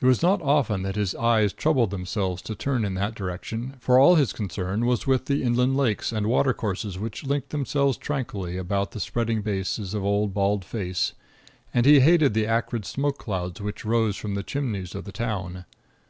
It was not often that his eyes troubled themselves to turn in that direction, for all his concern was with the inland lakes and watercourses which linked themselves tranquilly about the spreading bases of Old Bald Face, and he hated the acrid smokeclouds which rose from the chimneys of the town.